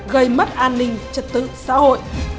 gây mất an ninh trật tự xã hội